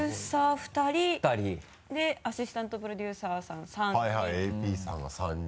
２人。でアシスタントプロデューサーさん３人。